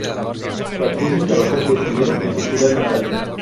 Patricio trabajó de tendero en su ciudad natal.